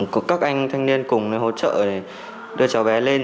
cùng các anh thanh niên cùng hỗ trợ để đưa cháu bé lên